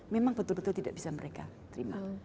memang betul betul tidak bisa mereka terima